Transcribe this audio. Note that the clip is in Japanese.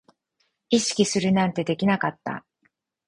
意識するなんてできなかった